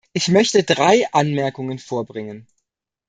Ich möchte drei Anmerkungen vorbringen.